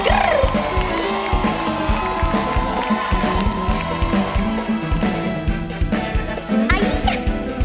รักกันมาหัวใจมันอยากเสนอ